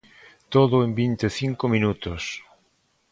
Todo en vinte e cinco minutos.